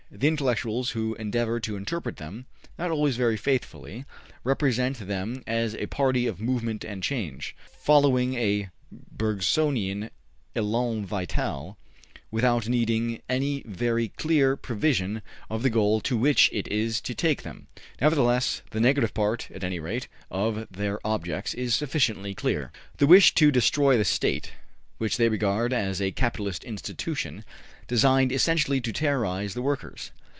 The intellectuals who endeavor to interpret them not always very faithfully represent them as a party of movement and change, following a Bergsonian elan vital, without needing any very clear prevision of the goal to which it is to take them. Nevertheless, the negative part, at any rate, of their objects is sufficiently clear. They wish to destroy the State, which they regard as a capitalist institution, designed essentially to terrorize the workers.